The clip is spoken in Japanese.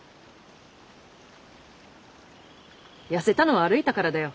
痩せたのは歩いたからだよ。